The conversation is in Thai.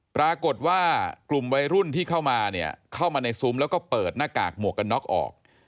ปรากฏว่ากลุ่มวัยรุ่นที่เข้ามาเนี่ยเข้ามาในซุ้มแล้วก็เปิดหน้ากากหมวกกันน็อกออก